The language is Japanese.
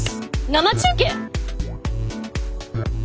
生中継！？